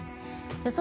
予想